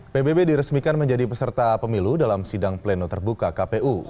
pbb diresmikan menjadi peserta pemilu dalam sidang pleno terbuka kpu